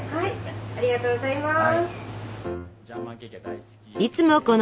ありがとうございます。